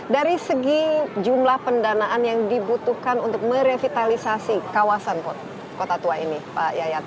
dari segi jumlah pendanaan yang dibutuhkan untuk merevitalisasi kawasan kota tua ini pak yayat